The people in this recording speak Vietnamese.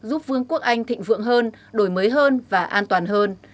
giúp vương quốc anh thịnh vượng hơn đổi mới hơn và an toàn hơn